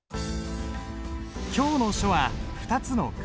今日の書は２つの楷書。